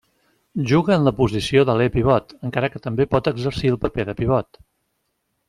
Juga en la posició d'aler pivot, encara que també pot exercir el paper de pivot.